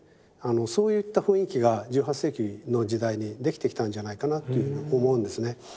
そういった雰囲気が１８世紀の時代にできてきたんじゃないかなというふうに思うんですね。